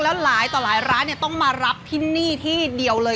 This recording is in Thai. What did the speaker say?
แล้วหลายต่อหลายร้านเนี่ยต้องมารับที่นี่ที่เดียวเลย